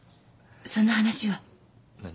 その話は。何？